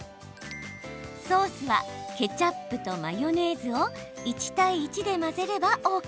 ソースはケチャップとマヨネーズを１対１で混ぜればＯＫ。